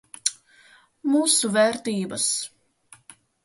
Mūsu vērtības.